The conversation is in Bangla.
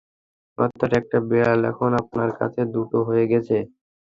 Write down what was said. অর্থাৎ একটা বিড়াল এখন আপনার কাছে দুটো হয়ে গেছে।